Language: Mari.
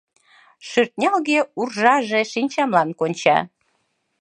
Шӧртнялге уржаже шинчамлан конча.